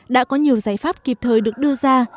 đã có nhiều giải pháp kịp thời được đưa ra